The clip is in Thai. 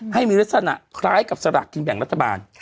ให้มีลักษณะคล้ายกับสลากกินแบ่งรัฐบาล